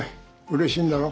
うれしいんだろ？